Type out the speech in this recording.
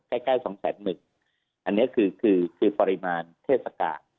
อันนี้คือปริมาณเทศกาล